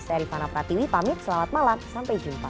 saya rifana pratiwi pamit selamat malam sampai jumpa